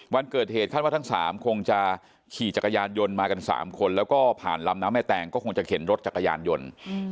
วันเกิดเหตุคาดว่าทั้งสามคงจะขี่จักรยานยนต์มากัน๓คนแล้วก็ผ่านลำน้ำแม่แตงก็คงจะเข็นรถจักรยานยนต์